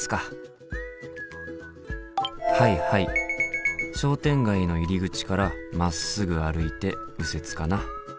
はいはい商店街の入り口からまっすぐ歩いて右折かな。